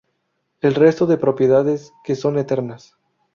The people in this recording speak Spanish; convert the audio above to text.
el resto de propiedades que son eternas